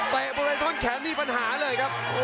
เตะบริโธนแขนมีปัญหาเลยครับ